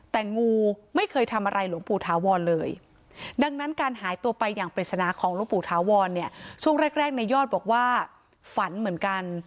แต่งูไม่เคยทำอะไรหลวงปู่ถาวรเลยดังนั้นการหายตัวไปอย่างปริศนาของหลวงปู่ถาวรเนี่ยช่วงแรกแรกในยอดบอกว่าฝันเหมือนกัน